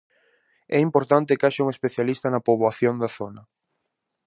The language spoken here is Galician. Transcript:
É importante que haxa un especialista na poboación da zona.